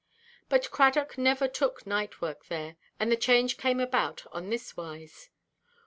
But Cradock never took night–work there; and the change came about on this wise.